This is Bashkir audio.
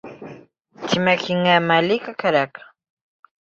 Тимәк, һиңә Мәликә кәрәк?